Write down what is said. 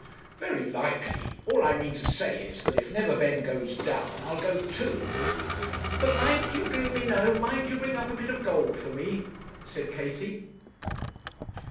'Very likely. All I mean to say is, that if Neverbend goes down I'll go too.' 'But mind, you gloomy gnome, mind you bring up a bit of gold for me,' said Katie.